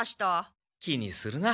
気にするな。